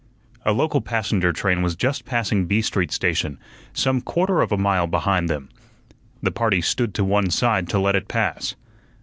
A local passenger train was just passing B Street station, some quarter of a mile behind them. The party stood to one side to let it pass.